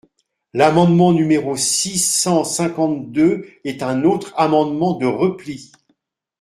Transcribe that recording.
L’amendement numéro six cent cinquante-deux est un autre amendement de repli.